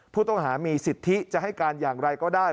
ผู้ต้องหามีสิทธิจะให้การอย่างไรก็ได้